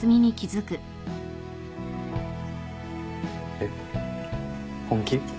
えっ本気？